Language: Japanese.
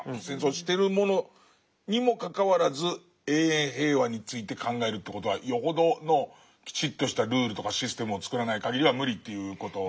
戦争してるものにもかかわらず永遠平和について考えるって事はよほどのきちっとしたルールとかシステムを作らないかぎりは無理という事。